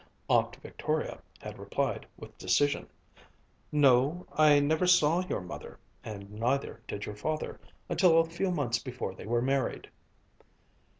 Aunt Victoria had replied with decision, "No, I never saw your mother, and neither did your father until a few months before they were married."